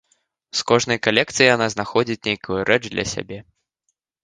З кожнай калекцыі яна знаходзіць нейкую рэч для сябе.